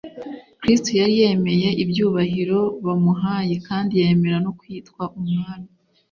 Kristo yari yemeye ibyubahiro bamuhaye, kandi yemera no kwitwa Umwami.